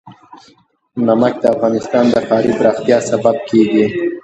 نمک د افغانستان د ښاري پراختیا سبب کېږي.